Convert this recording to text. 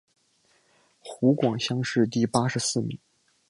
湖广乡试第八十四名。